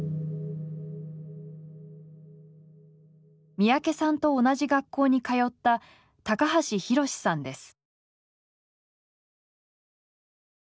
三宅さんと同じ学校に通った橋溥さんです。